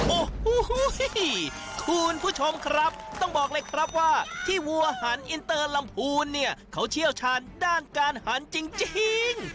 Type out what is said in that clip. โอ้โหคุณผู้ชมครับต้องบอกเลยครับว่าที่วัวหันอินเตอร์ลำพูนเนี่ยเขาเชี่ยวชาญด้านการหันจริง